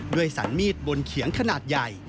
สันมีดบนเขียงขนาดใหญ่